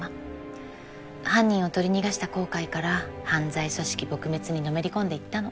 犯人を取り逃がした後悔から犯罪組織撲滅にのめり込んでいったの。